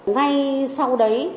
ngay sau đấy